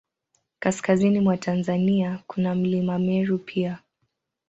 Kaskazini mwa Tanzania, kuna Mlima Meru pia.